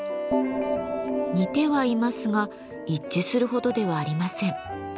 似てはいますが一致するほどではありません。